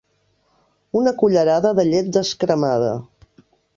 Una cullerada de llet descremada.